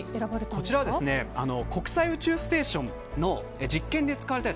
こちらは国際宇宙ステーションの実験で使われた。